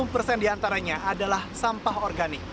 enam puluh persen diantaranya adalah sampah organik